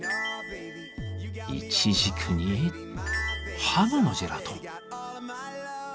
イチジクにハムのジェラート！